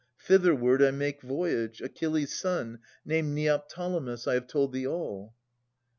Thitherward I make voyage :— Achilles' son, Named Neoptolemus. — I have told thee all.